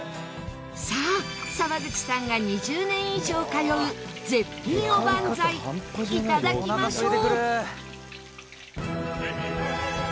さあ沢口さんが２０年以上通う絶品おばんざいいただきましょう。